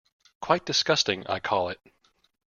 Quite disgusting, I call it.